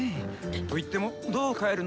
といってもどう帰るのっさ？